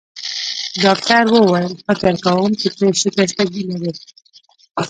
ډاکټر وویل: فکر کوم چي ته شکستګي لرې.